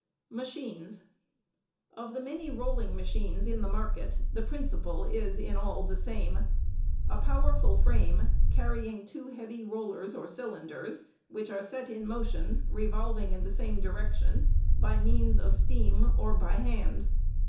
Machines.—Of the many rolling machines in the market the principle is in all the same. A powerful frame, carrying two heavy rollers or cylinders, which are set in motion, revolving in the same direction, by means of steam or by hand.